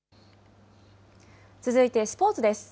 続いてスポーツです。